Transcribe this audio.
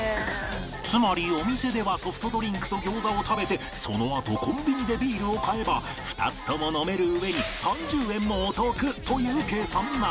つまりお店ではソフトドリンクと餃子を食べてそのあとコンビニでビールを買えば２つとも飲めるうえに３０円もお得という計算なのだ。